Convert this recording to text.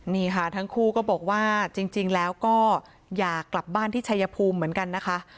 นี่ค่ะทั้งคู่ก็บอกว่าจริงแล้วก็อยากกลับบ้านที่ชายภูมิเหมือนกันนะคะ